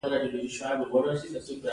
دکن ته د لښکر د لېږد وخت راغی.